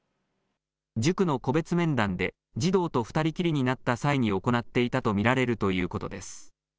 塾の個別面談で児童と２人きりになった際に行っていたと見られるということです。